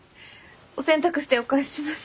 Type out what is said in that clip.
お洗濯してお返しします。